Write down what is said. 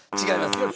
違います。